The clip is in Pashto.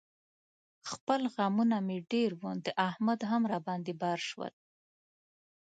خپل غمونه مې ډېر و، د احمد هم را باندې بار شول.